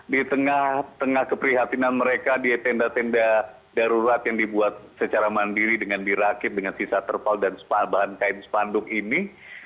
di tengah tengah keprihatinan mereka di tenda tenda darurat yang dibuat secara mandiri dengan dirakit dengan sisa terpal dan bahan kain spanduk ini